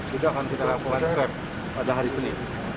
juga akan kita lakukan swab pada hari senin